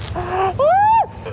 apa yang tujuanku